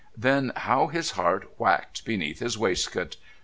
Then how his heart whacked beneath his waistcoat!